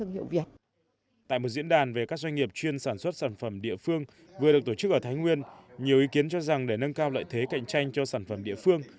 nhưng việc phát triển các sản phẩm địa phương vừa được tổ chức ở thái nguyên nhiều ý kiến cho rằng để nâng cao lợi thế cạnh tranh cho sản phẩm địa phương